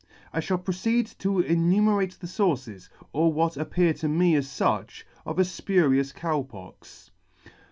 I fhall proceed to enumerate the fources, or what appear to me as fuch, of a fpurious Cow Pox.